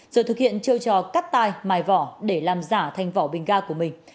rồi thực hiện chiêu trò cắt tai mài vỏ để làm giả thành vỏ bình ga của mình